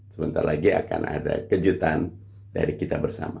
setelah ini akan ada kejutan dari kita bersama